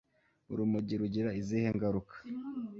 Urumogi rugira izihe ngaruka